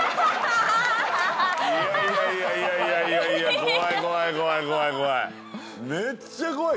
いやいやいやいやいやいや怖い怖い怖い怖い怖い。